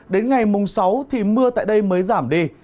đến ngày mùng sáu thì mưa tại đây mới giảm đi